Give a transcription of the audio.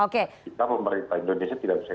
kita pemerintah indonesia tidak bisa